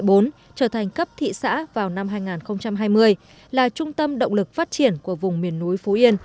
trở thành cấp thị xã vào năm hai nghìn hai mươi là trung tâm động lực phát triển của vùng miền núi phú yên